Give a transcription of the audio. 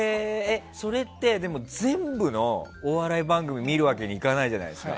それって全部のお笑い番組を見るわけにはいかないじゃないですか。